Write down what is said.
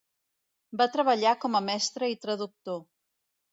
Va treballar com a mestre i traductor.